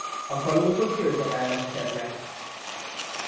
A kalózok győzedelmeskednek.